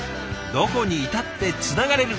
どこにいたってつながれる。